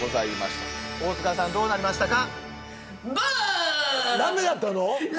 大塚さんどうなりましたか？